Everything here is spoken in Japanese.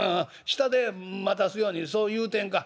下で待たすようにそう言うてんか」。